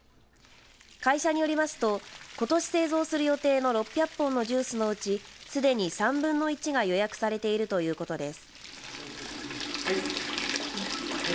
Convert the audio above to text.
会社によりますとことし製造する予定の６００本のジュースのうちすでに３分の１が予約されているということです。